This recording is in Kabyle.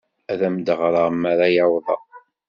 Ad am-d-ɣreɣ mi ara awḍeɣ.